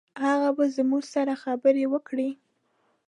هغه به زموږ سره خبرې وکړي.